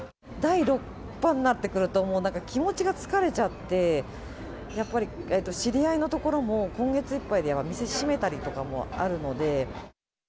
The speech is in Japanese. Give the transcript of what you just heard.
第６波になってくると、もうなんか気持ちが疲れちゃって、やっぱり知り合いの所も、今月いっぱいで店閉めたりとかもあるので。